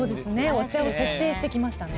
お茶を設定してきましたね。